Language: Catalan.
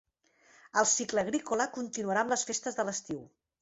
El cicle agrícola continuarà amb les festes de l’estiu.